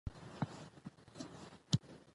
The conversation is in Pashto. دیني نوفکرۍ بنسټونه نه دي رامنځته شوي.